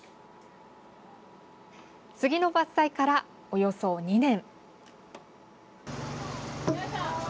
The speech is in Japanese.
杉の伐採から、およそ２年。